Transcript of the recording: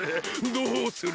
どうする？